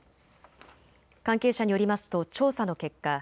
関係者によりますと調査の結果、